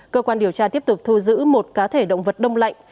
cơ quan điều tra tiếp tục thu giữ một cá thể động vật đông lạnh